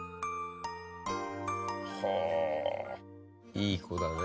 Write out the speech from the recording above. いい子だね。